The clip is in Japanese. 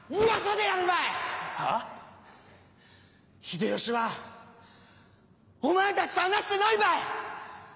秀吉はお前たちと話してないばい！